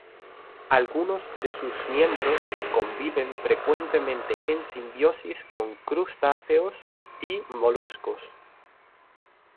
Algunos de sus miembros conviven frecuentemente en simbiosis con crustáceos y moluscos.